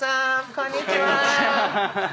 こんにちは。